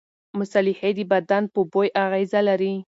مصالحې د بدن په بوی اغېزه لري.